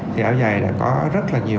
thì áo dài đã có rất là nhiều